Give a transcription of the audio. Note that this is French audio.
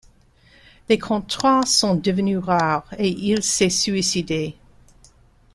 Les contrats sont devenus rares, et il s'est suicidé.